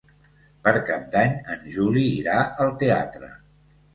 Per Cap d'Any en Juli irà al teatre.